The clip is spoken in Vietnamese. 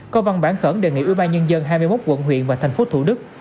có văn bản khẩn đề nghị ưu ba nhân dân hai mươi một quận huyện và tp thủ đức